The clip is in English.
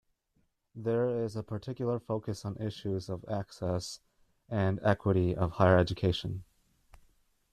There is a particular focus on issues of access and equity of higher education.